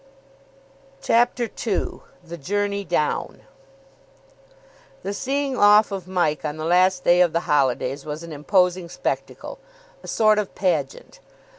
CHAPTER II THE JOURNEY DOWN The seeing off of Mike on the last day of the holidays was an imposing spectacle, a sort of pageant.